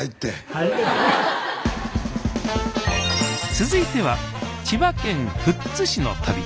続いては千葉県富津市の旅。